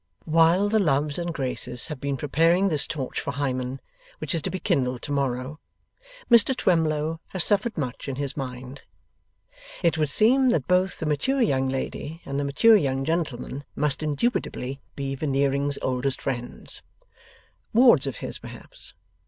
While the Loves and Graces have been preparing this torch for Hymen, which is to be kindled to morrow, Mr Twemlow has suffered much in his mind. It would seem that both the mature young lady and the mature young gentleman must indubitably be Veneering's oldest friends. Wards of his, perhaps?